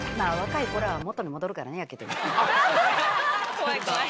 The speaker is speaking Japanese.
怖い怖い。